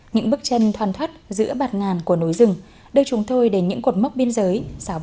những bước chân thoàn thoát giữa bạt ngàn của nối rừng đưa chúng tôi đến những cột mốc biên giới sáu trăm ba mươi bảy sáu trăm ba mươi tám